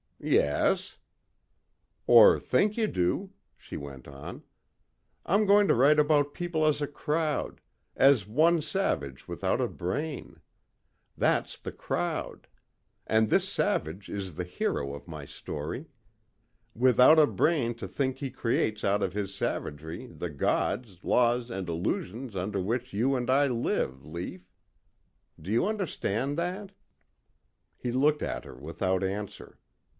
"Yes." "Or think you do," she went on. "I'm going to write about people as a crowd as one savage without a brain. That's the crowd. And this savage is the hero of my story. Without a brain to think he creates out of his savagery the Gods, laws and illusions under which you and I live, Lief. Do you understand that?" He looked at her without answer.